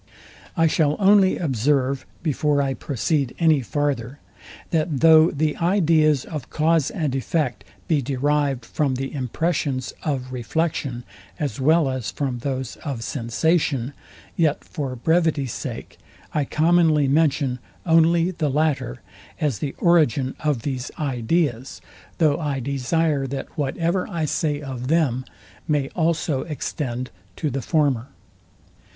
I shall only observe before I proceed any farther, that though the ideas of cause and effect be derived from the impressions of reflection as well as from those of sensation, yet for brevity's sake, I commonly mention only the latter as the origin of these ideas; though I desire that whatever I say of them may also extend to the former.